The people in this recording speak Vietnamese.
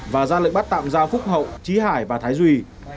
và ra lệnh bắt tạm ra phúc hậu trí hải và thái duy